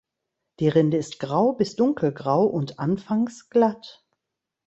Die Rinde ist grau bis dunkelgrau und anfangs glatt.